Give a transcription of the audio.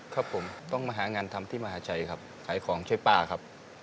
ครับผมต้องมาหางานทำที่มหาชัยครับขายของช่วยป้าครับ